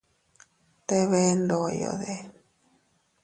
¿Te bee ndoyode?